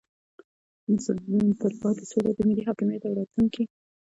تلپاتې سوله د ملي حاکمیت او راتلونکي